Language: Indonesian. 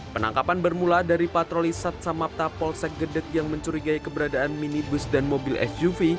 penangkapan bermula dari patroli sat samapta polsek gedek yang mencurigai keberadaan minibus dan mobil suv